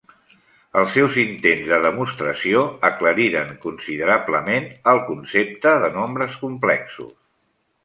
Els seus intents de demostració aclariren considerablement el concepte de nombres complexos.